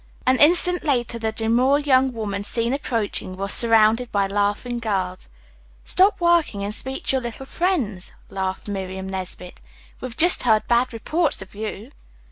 An instant later the demure young woman seen approaching was surrounded by laughing girls. "Stop working and speak to your little friends," laughed Miriam Nesbit. "We've just heard bad reports of you."